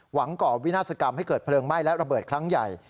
ก่อวินาศกรรมให้เกิดเพลิงไหม้และระเบิดครั้งใหญ่